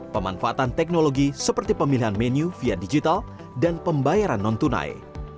pemanfaatan teknologi seperti pemilihan menu via digital dan pembayaran non tunai